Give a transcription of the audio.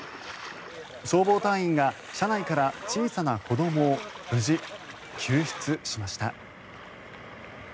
消防隊員が車内から小さな子どもを無事、救出しました。